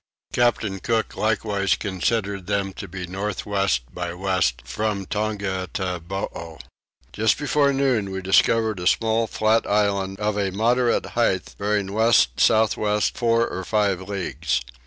Captain Cook likewise considered them to be north west by west from Tongataboo. Just before noon we discovered a small flat island of a moderate height bearing west south west 4 or 5 leagues.